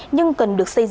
nhưng cần được xây dựng